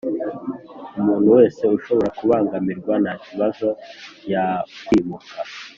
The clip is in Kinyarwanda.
Umuntu wese ushobora kubangamirwa ntakibazo yakwimuka